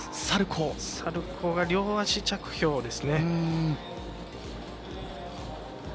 サルコーが両足着氷ですね。